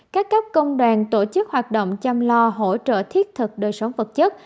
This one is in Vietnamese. các cấp công đoàn tổ chức hoạt động chăm lo hỗ trợ thiết thực đời sống vật chất